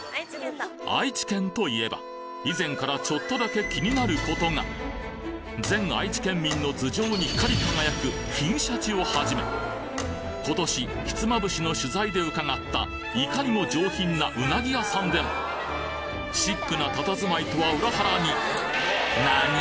愛知県と言えば以前から全愛知県民の頭上に光り輝く金鯱をはじめ今年ひつまぶしの取材でうかがったいかにも上品なうなぎ屋さんでもシックなたたずまいとは裏腹になに？